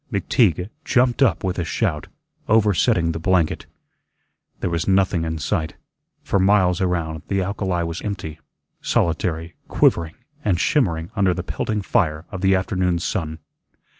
McTeague jumped up with a shout, oversetting the blanket. There was nothing in sight. For miles around, the alkali was empty, solitary, quivering and shimmering under the pelting fire of the afternoon's sun.